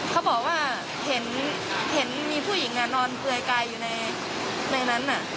เขาบอกว่าเห็นมีผู้หญิงนอนเปลือยกายอยู่ในนั้น